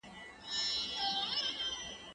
ته کله کتابتون ته راځې،